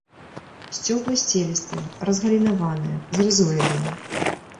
Сцёблы сцелістыя, разгалінаваныя, з рызоідамі.